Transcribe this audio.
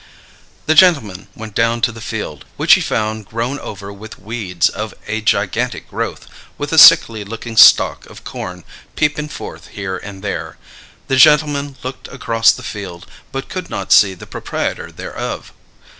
The gentleman went down to the field, which he found grown over with weeds of a gigantic growth, with a sickly looking stalk of corn peeping forth here and there. The gentleman looked across the field, but could not see the proprietor thereof.